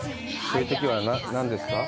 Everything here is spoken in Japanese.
そういうときは何ですか？